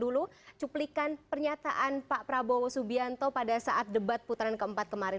dulu cuplikan pernyataan pak prabowo subianto pada saat debat putaran keempat kemarin